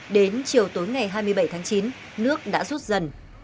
đến chiều tối ngày hai mươi bảy tháng chín nước đã rút dần